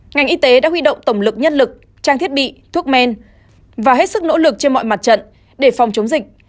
ngành y tế đã huy động tổng lực nhân lực trang thiết bị thuốc men và hết sức nỗ lực trên mọi mặt trận để phòng chống dịch